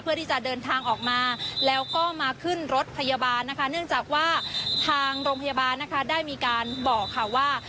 เพื่อที่จะเดินทางออกมาแล้วก็มาขึ้นรถพยาบาลนะคะเนื่องจากว่าทางโรงพยาบาลนะคะได้มีการบอกค่ะว่า